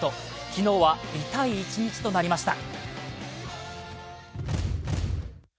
昨日は痛い一日となりました。